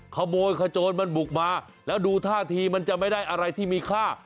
ขโมยขโจรมันบุกมาแล้วดูท่าทีมันจะไม่ได้อะไรที่มีค่า